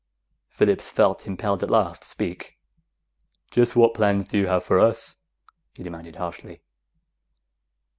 Phillips felt impelled at last to speak. "Just what plans do you have for us?" he demanded harshly.